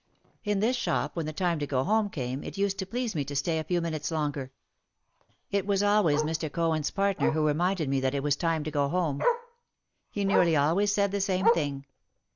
In this shop when the time to go home came it used to please me to stay a few minutes longer. It was al ways Mr. Cohen's partner who reminded me that it was time to go home. He nearly always said the same thing.